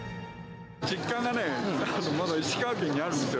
実家がね、まだ石川県にあるんですよ。